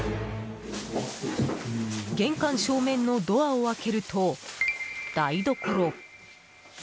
玄関正面のドアを開けると台所。